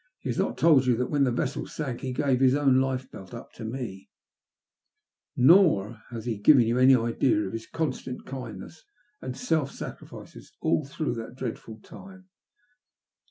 He has not told you that when the vessel sank he gave his own life belt up to me, nor has he given you any idea of his constant kindness and self sacrifice all through that dreadful time."